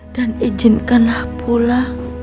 dan izinkanlah pula